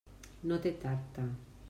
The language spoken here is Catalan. No té tacte.